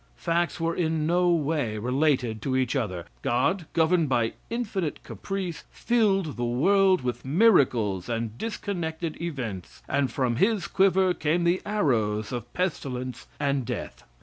Facts were in no way related to each other. God, governed by infinite caprice, filled the world with miracles and disconnected events, and from his quiver came the arrows of pestilence and death.